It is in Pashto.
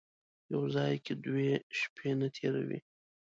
یو ځای کې دوې شپې نه تېروي.